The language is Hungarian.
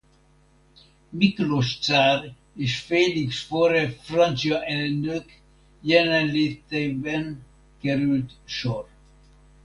Miklós cár és Félix Faure francia elnök jelenléteben került sor.